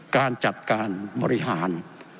การจัดการบริหาร